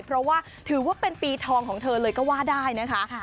เพราะว่าถือว่าเป็นปีทองของเธอเลยก็ว่าได้นะคะ